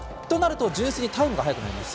純粋にターンが速くなります。